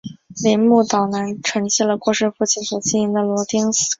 铃木岛男承继了过世的父亲所经营的螺钉工厂。